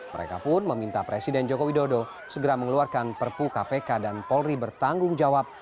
mereka pun meminta presiden joko widodo segera mengeluarkan perpu kpk dan polri bertanggung jawab